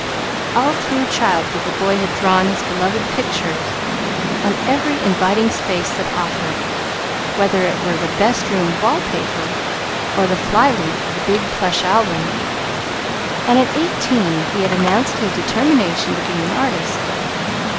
All through childhood the boy had drawn his beloved "pictures" on every inviting space that offered, whether it were the "best room" wall paper, or the fly leaf of the big plush album, and at eighteen he had announced his determination to be an artist.